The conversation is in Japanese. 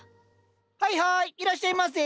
はいはいいらっしゃいませ。